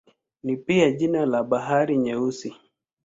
Ni pia jina la Bahari Nyeusi.